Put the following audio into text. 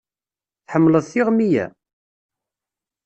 Tḥemmleḍ tiɣmi-ya?